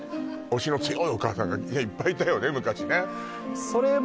押しの強いお母さんがいっぱいいたよね